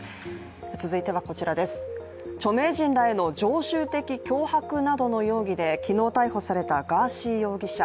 著名人らへの常習的脅迫などの容疑で昨日、逮捕されたガーシー容疑者。